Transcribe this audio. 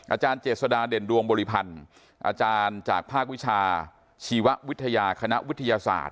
อาจารย์เจษฎาเด่นดวงบริพันธ์อาจารย์จากภาควิชาชีววิทยาคณะวิทยาศาสตร์